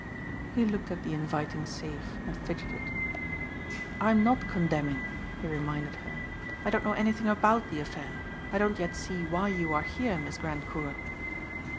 He looked at the inviting safe and fidgeted. "I'm not condemning," he reminded her. "I don't know anything about the affair. I don't yet see why you are here, Miss Grandcourt."